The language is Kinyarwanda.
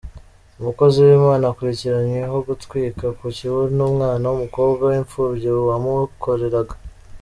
Umukozi w’Imana akurikiranyweho gutwika ku kibuno umwana w’umukobwa w’imfubyi wamukoreraga.